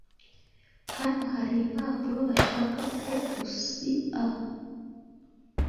Hano hari impapuro bashaka ko usia.